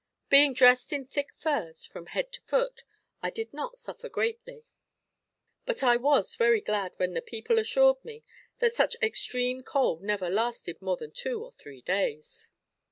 Being dressed in thick furs from head to foot, I did not suffer greatly; but I was very glad when the people assured me that such extreme cold never lasted more than two or three days.